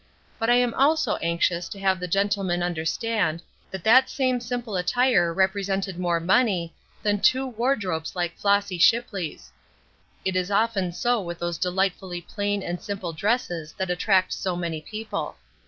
But I am also anxious to have the gentlemen understand that that same simple attire represented more money than two wardrobes like Flossy Shipley's. It is often so with those delightfully plain and simple dresses that attract so many people.